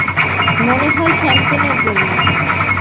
মনে হয় শ্যাম্পেনের জন্য।